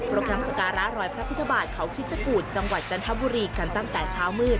รบน้ำสการะรอยพระพุทธบาทเขาคิชกูธจังหวัดจันทบุรีกันตั้งแต่เช้ามืด